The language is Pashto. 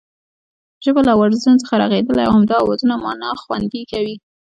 ژبه له آوازونو څخه رغېدلې او همدا آوازونه مانا خوندي کوي